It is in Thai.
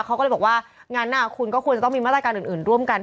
เขาก็เลยบอกว่างั้นคุณก็ควรจะต้องมีมาตรการอื่นร่วมกัน